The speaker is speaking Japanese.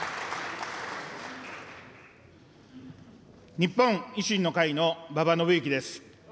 日本維新の会の馬場伸幸です。